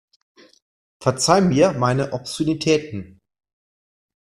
Verzeiht mir meine Obszönitäten.